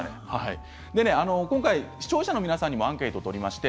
視聴者の皆さんにアンケートを取りました。